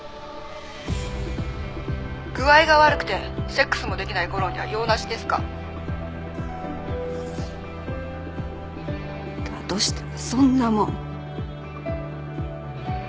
「具合が悪くてセックスもできない吾良には用なしですか？」だとしたらそんなもん。